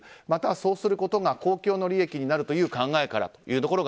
またそうすることが公共の利益になるという考えからと。